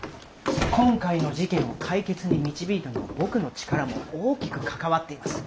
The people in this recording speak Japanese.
今回の事件を解決に導いたのは僕の力も大きく関わっています。